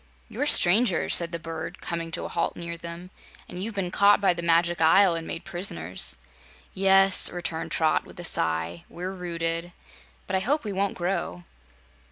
"You're strangers," said the bird, coming to a halt near them, "and you've been caught by the Magic Isle and made prisoners." "Yes," returned Trot, with a sigh; "we're rooted. But I hope we won't grow."